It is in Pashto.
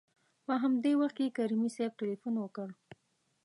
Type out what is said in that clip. په همدې وخت کې کریمي صیب تلېفون وکړ.